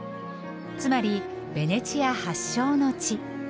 つまりベネチア発祥の地。